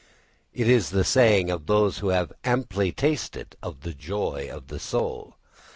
] It is the saying of those who had amply tasted of the joy of the soul.